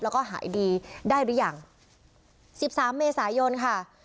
แล้วก็หายดีได้หรือยังสิบสามเมษายนค่ะ